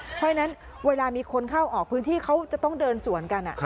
เพราะฉะนั้นเวลามีคนเข้าออกพื้นที่เขาจะต้องเดินสวนกัน